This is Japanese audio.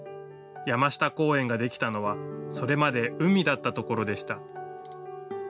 山下公園ができたのはそれまで海だったところでした。